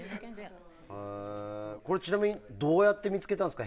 これ、ちなみにどうやって見つけたんですか？